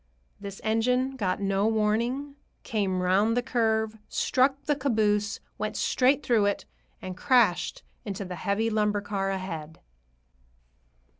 This engine got no warning, came round the curve, struck the caboose, went straight through it, and crashed into the heavy lumber car ahead.